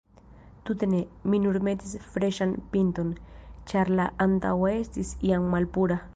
Tute ne, mi nur metis freŝan pinton, ĉar la antaŭa estis jam malpura.